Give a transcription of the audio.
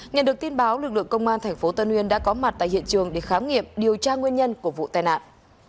nhận được tin báo lực lượng công an tp tân uyên đã có mặt tại hiện trường để khám nghiệm điều tra nguyên nhân của vụ tai nạn